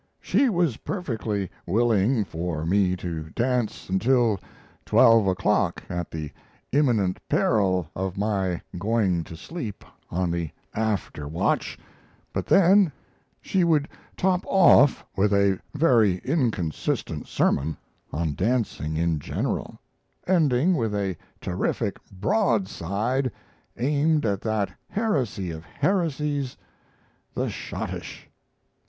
She was perfectly willing for me to dance until 12 o'clock at the imminent peril of my going to sleep on the after watch but then she would top off with a very inconsistent sermon on dancing in general; ending with a terrific broadside aimed at that heresy of heresies, the 'schottische'.